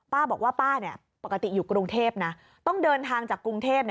ป้าบอกว่าป้าปกติอยู่กรุงเทพนะต้องเดินทางจากกรุงเทพ